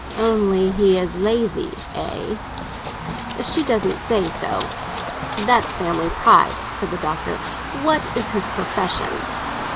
"Only he is lazy, eh?" "She doesn't say so." "That's family pride," said the Doctor. "What is his profession?"